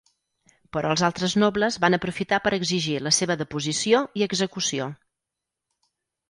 Però els altres nobles van aprofitar per exigir la seva deposició i execució.